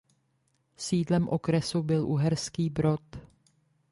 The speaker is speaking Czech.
Sídlem okresu byl Uherský Brod.